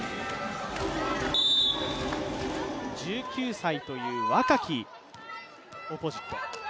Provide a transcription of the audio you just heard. １９歳という若きオポジット。